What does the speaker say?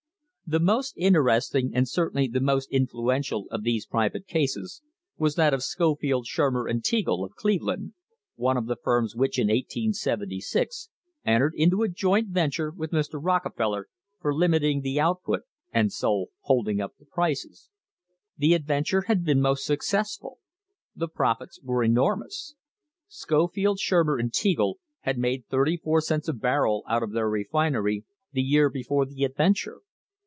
The most interesting and certainly the most influential of these private cases was that of Scofield, Shurmer and Teagle, of Cleveland, one of the firms which, in 1876, entered into a "joint adventure" with Mr. Rockefeller for limiting the output and so holding up prices.* The adventure had been most successful. The profits were enormous. Scofield, Shur mer and Teagle had made thirty four cents a barrel out of their refinery the year before the "adventure."